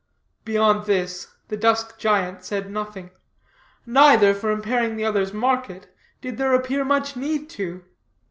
Beyond this the dusk giant said nothing; neither, for impairing the other's market, did there appear much need to.